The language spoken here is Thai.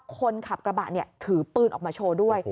คนขับกระบะถือปืนออกมาโชว์ด้วย